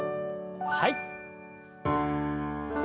はい。